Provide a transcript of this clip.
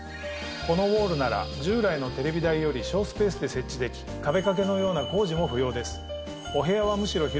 このＷＡＬＬなら従来のテレビ台より省スペースで設置でき壁掛けのような工事も不要です。